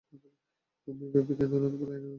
Mummy - baby কাঁদো না, তোমার লাইনার নষ্ট হয়ে যাবে।